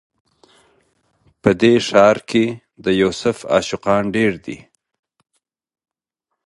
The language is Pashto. په دې ښار کي د یوسف عاشقان ډیر دي